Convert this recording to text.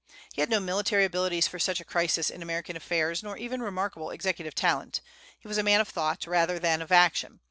He had no military abilities for such a crisis in American affairs, nor even remarkable executive talent. He was a man of thought rather than of action.